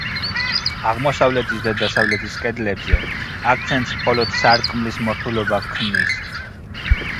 აღმოსავლეთის და დასავლეთის კედლებზე აქცენტს მხოლოდ სარკმლის მორთულობა ქმნის.